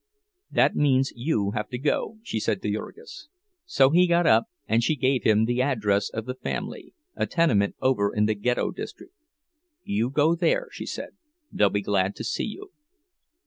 "That means you have to go," she said to Jurgis. So he got up, and she gave him the new address of the family, a tenement over in the Ghetto district. "You go there," she said. "They'll be glad to see you."